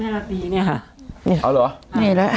แม่หน้าตีเนี่ยค่ะ